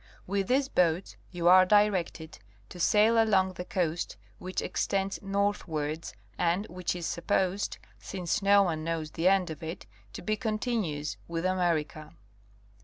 With these boats [you are directed] to sail along the coast which extends northwards and which is supposed (since no one knows the end of it) to be continuous with America.